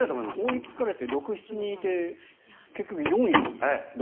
追いつかれて６７人いて結局４位ですもんね。